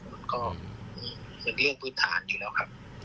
มันก็เป็นเรื่องพื้นฐานอยู่แล้วครับ